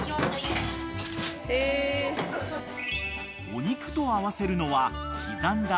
［お肉と合わせるのは刻んだ］